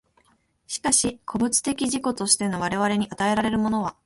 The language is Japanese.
しかし個物的自己としての我々に与えられるものは、